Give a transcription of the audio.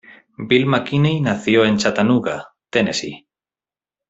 Bill McKinney nació en Chattanooga, Tennessee.